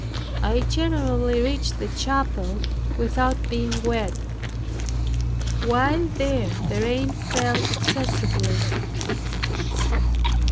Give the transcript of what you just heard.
I generally reached the chapel without being wet. While there the rain fell excessively.